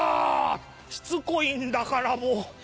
「しつこいんだからもう。